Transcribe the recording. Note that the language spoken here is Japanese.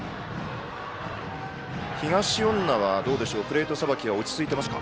東恩納はプレートさばきは落ち着いていますか？